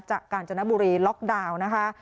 กาญจนบุรีล็อกดาวน์นะคะ